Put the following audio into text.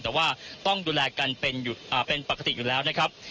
แต่ว่าต้องดูแลกันเป็นปกติอยู่แล้วนะครับ